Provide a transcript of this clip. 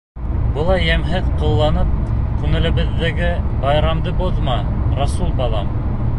— Былай йәмһеҙ ҡыланып күңелебеҙҙәге байрамды боҙма, Рәсүл балам.